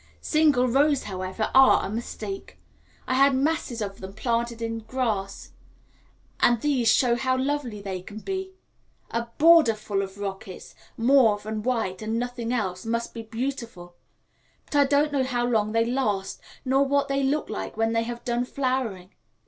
Single rows, however, are a mistake; I had masses of them planted in the grass, and these show how lovely they can be. A border full of rockets, mauve and white, and nothing else, must be beautiful; but I don't know how long they last nor what they look like when they have done flowering.